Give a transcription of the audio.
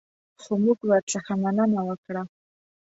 خو موږ ورڅخه مننه وکړه.